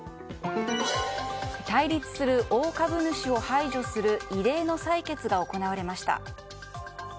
対立する大株主を排除する異例の採決が行われました。